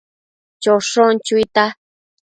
Chosho chuita